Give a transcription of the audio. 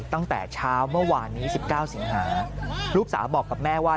ตั้งแต่เช้าเมื่อวานนี้๑๙สิงหาลูกสาวบอกกับแม่ว่า